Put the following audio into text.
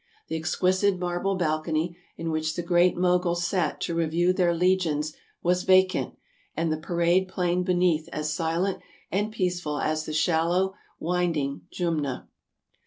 The exquisite marble balcony, in which the Great Moguls sat to review their legions, was vacant, and the parade plain beneath as silent and peaceful as the shallow, winding Jumna.